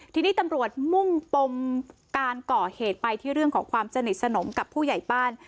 ทีนี้ตำรวจมุ่งปมการก่อเหตุไปที่เรื่องของความสนิทสนมกับผู้ใหญ่บ้าน